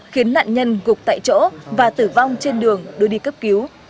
khiến nạn nhân gục tại chỗ và tử vong trên đường đưa đi cấp cứu